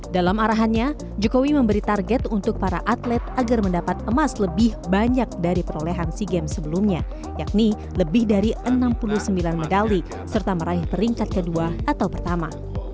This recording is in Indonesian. dalam arahannya jokowi memberi target untuk para atlet agar mendapat emas lebih banyak dari perolehan sea games sebelumnya yakni lebih dari enam puluh sembilan medali serta meraih peringkat kedua atau pertama